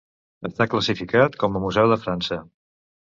Està classificat com a Museu de França.